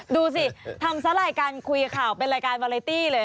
ดูสิทำซะรายการคุยข่าวเป็นรายการวาเลตี้เลย